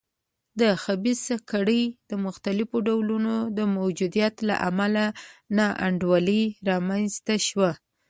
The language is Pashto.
د خبیثه کړۍ مختلفو ډولونو د موجودیت له امله نا انډولي رامنځته شوه.